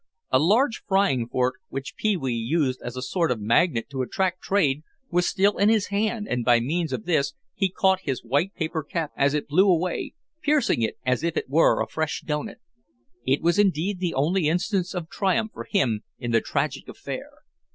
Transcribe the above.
A large frying fork which Pee wee used as a sort of magnet to attract trade was still in his hand and by means of this he caught his white paper cap as it blew away, piercing it as if it were a fresh doughnut. It was indeed the only instance of triumph for him in the tragic affair.